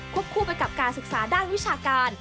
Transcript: คู่ไปกับการศึกษาด้านวิชาการ